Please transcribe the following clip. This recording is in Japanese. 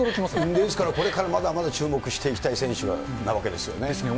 ですから、これからまだまだ注目していきたい選手なわけですよ。